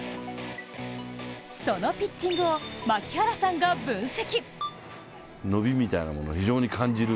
そのピッチングを槙原さんが分析。